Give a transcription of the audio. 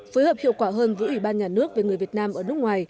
phối hợp hiệu quả hơn với ủy ban nhà nước về người việt nam ở nước ngoài